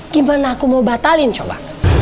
gimana aku mau batalin coba